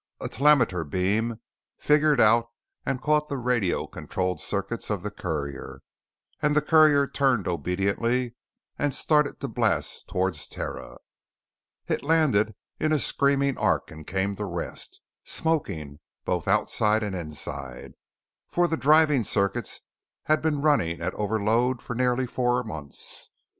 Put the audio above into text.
A telemeter beam fingered out and caught the radio controlled circuits of the courier and the courier turned obediently and started to blast towards Terra. It landed in a screaming arc and came to rest, smoking both outside and inside, for the driving circuits had been running at overload for nearly four months.